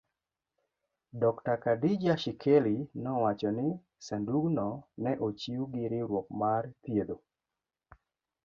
Dr. Khadija Shikely nowacho ni sandugno ne ochiw gi riwruok mar thiedho